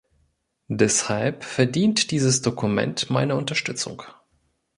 Deshalb verdient dieses Dokument meine Unterstützung.